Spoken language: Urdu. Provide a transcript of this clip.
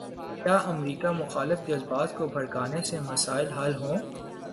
کیا امریکہ مخالف جذبات کو بھڑکانے سے مسائل حل ہوں۔